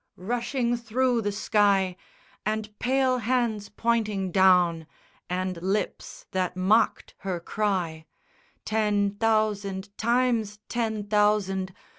rushing thro' the sky, And pale hands pointing down and lips that mocked her cry, Ten thousand times ten thousand!